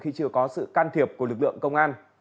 khi chưa có sự can thiệp của lực lượng công an